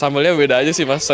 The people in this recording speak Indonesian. sambalnya beda aja sih mas